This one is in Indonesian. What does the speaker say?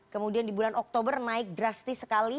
kemudian di bulan oktober naik drastis sekali